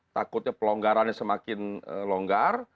takutnya pelonggarannya semakin longgar